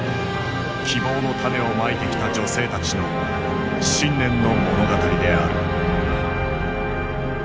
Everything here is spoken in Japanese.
希望の種をまいてきた女性たちの信念の物語である。